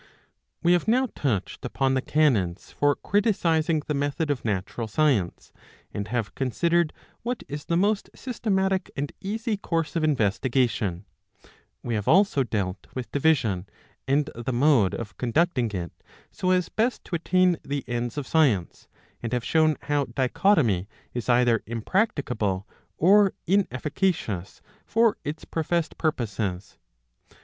We have now touched upon the canons for criticising the method of natural science, and have considered what is the most systematic and easy course of investigation ; we have also dealt with division, and the mode of conducting it so as best to attain the ends of science, and have shown how dichotomy is either impracticable or inefficacious for its professed purposes.